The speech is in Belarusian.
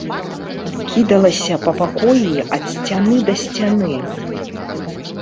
Кідалася па пакоі ад сцяны да сцяны.